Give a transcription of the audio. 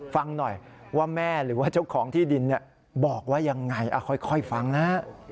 ฟังหน่อยว่าแม่หรือว่าเจ้าของที่ดินบอกว่ายังไงค่อยฟังนะ